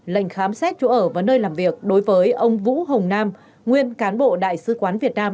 lệnh khám xét chỗ ở và nơi làm việc đối với ông vũ hồng nam nguyên cán bộ đại sứ quán việt nam